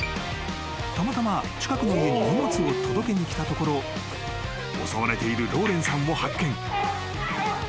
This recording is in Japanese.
［たまたま近くの家に荷物を届けに来たところ襲われているローレンさんを発見］